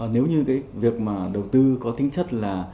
nếu như cái việc mà đầu tư có tính chất là